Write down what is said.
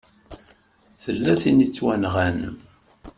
Tella tin i yettwanɣan.